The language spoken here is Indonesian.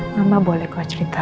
mama boleh kok cerita